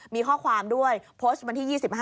มีข้อความด้วยโพสต์วันที่๒๕